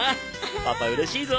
パパうれしいぞ。